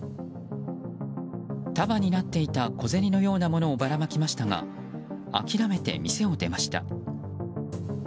束になっていた小銭のようなものをばらまきましたが諦めて、店を出ました。